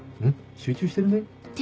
集中してるね？